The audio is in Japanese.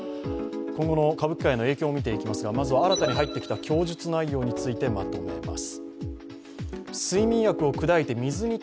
今後の歌舞伎界への影響も考えていきますが、まずは新たに入ってきた供述内容から見ていきます。